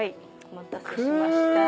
お待たせしました。